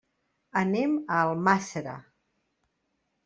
Anem a Almàssera.